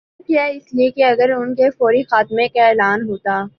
گوارا کیا اس لیے کہ اگر ان کے فوری خاتمے کا اعلان ہوتا